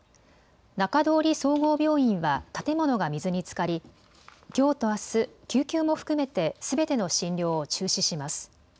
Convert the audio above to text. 中通総合病院は建物が水につかりきょうとあす、救急も含めてすべての診療を中止します。